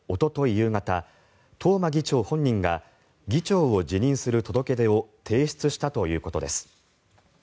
夕方東間議長本人が議長を辞任する届け出を提出したということです。